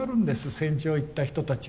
戦場へ行った人たちは。